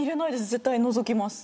絶対に除きます。